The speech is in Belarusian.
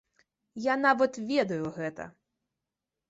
Я нават ведаю гэта!